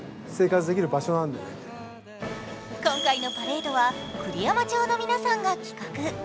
今回のパレードは栗山町の皆さんが企画。